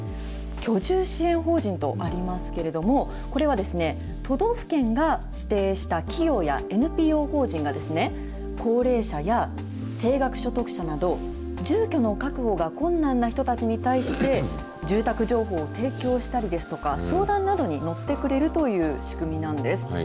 居住支援法人とありますけれども、これはですね、都道府県が指定した企業やＮＰＯ法人が高齢者や低額所得者など、住居の確保が困難な人たちに対して住宅情報を提供したりですとか、相談などに乗ってくれるという仕組みなんです。